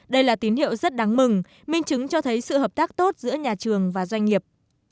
đây là tín hiệu rất đáng mừng minh chứng cho thấy sự hợp tác tốt giữa nhà trường và doanh nghiệp